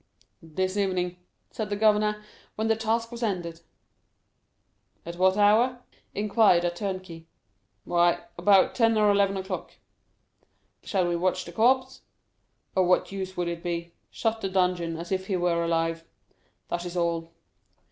"This evening," said the governor, when the task was ended. "At what hour?" inquired a turnkey. "Why, about ten or eleven o'clock." "Shall we watch by the corpse?" "Of what use would it be? Shut the dungeon as if he were alive—that is all."